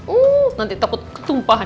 uh nanti takut ketumpahan